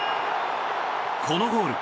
このゴール